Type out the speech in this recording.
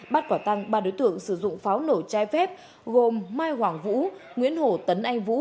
bắt quả tăng ba đối tượng sử dụng pháo nổ chai phép gồm mai hoàng vũ nguyễn hồ tấn anh vũ